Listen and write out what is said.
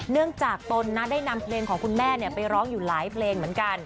จากตนได้นำเพลงของคุณแม่ไปร้องอยู่หลายเพลงเหมือนกัน